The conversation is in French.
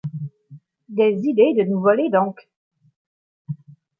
Des idées de nous voler, donc!